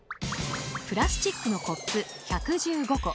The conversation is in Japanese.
プラスチックのコップ１１５個